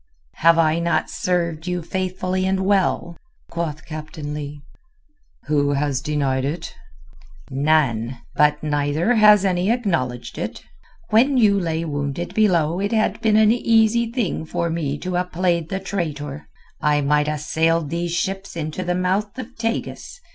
"Have I not served you faithfully and well?" quoth Captain Leigh. "Who has denied it?" "None. But neither has any acknowledged it. When you lay wounded below it had been an easy thing for me to ha' played the traitor. I might ha' sailed these ships into the mouth of Tagus.